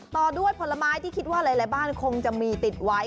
ต่อด้วยผลไม้ที่คิดว่าหลายบ้านคงจะมีติดไว้